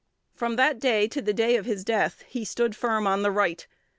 From that day to the day of his death, he stood firm on the right.